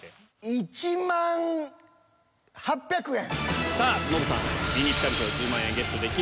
１万８００円。